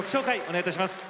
お願いいたします。